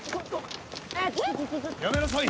やめなさい。